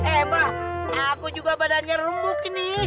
eh mbak aku juga badannya remuk ini